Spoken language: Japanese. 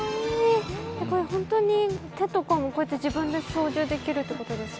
本当に手とかも自分で操縦できるってことですか？